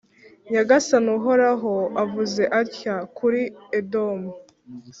nyagasani uhoraho avuze atya kuri edomu: